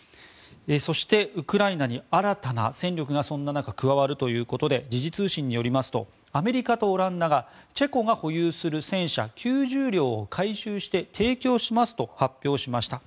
そして、ウクライナに新たな戦力がそんな中加わるということで時事通信によりますとアメリカとオランダがチェコが保有する戦車９０両を改修して提供しますと発表しました。